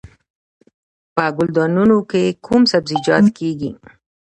په ګلدانونو کې کوم سبزیجات کیږي؟